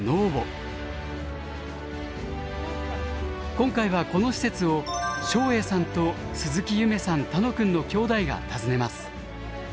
今回はこの施設を照英さんと鈴木夢さん楽くんのきょうだいが訪ねます。